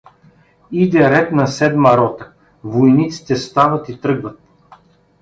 Иде ред на седма рота, войниците стават и тръгват.